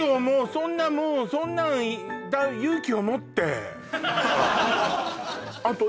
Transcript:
そんなもうそんな勇気を持ってあらあと